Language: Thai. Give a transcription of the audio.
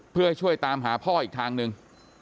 เพื่อให้ช่วยตามหาพ่ออีกทางหนึ่ง